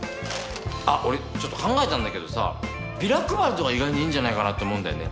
あっ俺ちょっと考えたんだけどさビラ配りとか意外にいいんじゃないかなって思うんだよね。